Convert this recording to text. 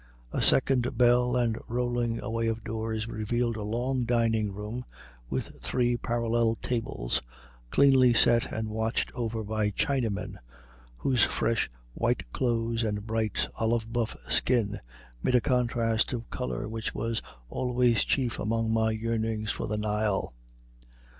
A second bell and rolling away of doors revealed a long dining room, with three parallel tables, cleanly set and watched over by Chinamen, whose fresh, white clothes and bright, olive buff skin made a contrast of color which was always chief among my yearnings for the Nile.